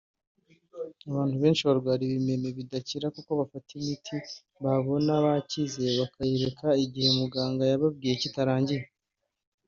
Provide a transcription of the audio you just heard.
Abantu benshi barwara ibimeme bidakira kuko bafata imiti babona bakize bakayireka igihe muganga yababwiye kitarangiye